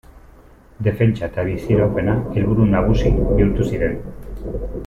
Defentsa eta biziraupena helburu nagusi bihurtu ziren.